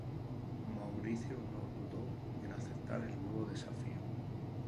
Mauricio no dudó en aceptar el nuevo desafío.